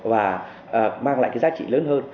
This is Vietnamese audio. và mang lại cái giá trị lớn hơn